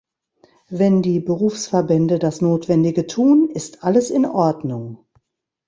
Wenn die Berufsverbände das Notwendige tun, ist alles in Ordnung.